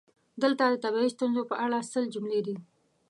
دلته د طبیعي ستونزو په اړه سل جملې دي: